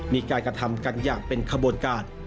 มีการกระทำกันอย่างเป็นขบวนการ